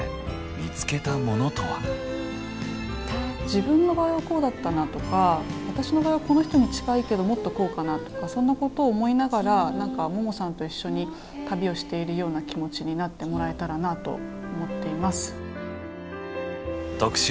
自分の場合はこうだったなとか私の場合はこの人に近いけどもっとこうかなとかそんなことを思いながら何かももさんと一緒に旅をしているような気持ちになってもらえたらなと思っています。